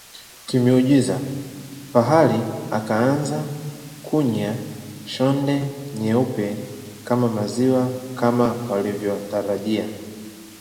Kimiujiza, fahali akaanza kunya shonde nyeupe kama maziwa kama walivyotarajia